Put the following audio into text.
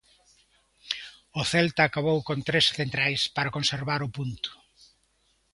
O Celta acabou con tres centrais para conservar o punto.